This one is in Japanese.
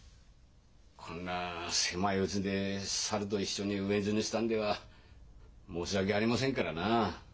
こんな狭いうちで猿と一緒に飢え死にしたんでは申し訳ありませんからなあ。